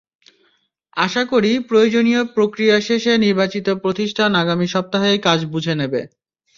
আশা করি, প্রয়োজনীয় প্রক্রিয়া শেষে নির্বাচিত প্রতিষ্ঠান আগামী সপ্তাহেই কাজ বুঝে নেবে।